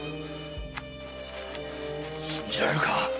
信じられるか。